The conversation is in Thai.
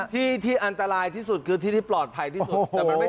ที่อันตรายที่สุดคือที่ปลอดภัยที่สุด